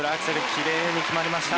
きれいに決まりました。